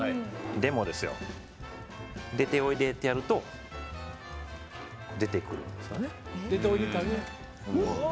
でも、出ておいでってやると出てくるんですよね。